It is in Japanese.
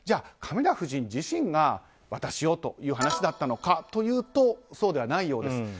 カミラ夫人自身が、私をという話だったのかというとそうではないようです。